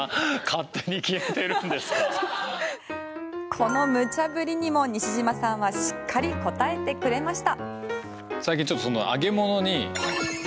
このむちゃ振りにも西島さんはしっかり応えてくれました。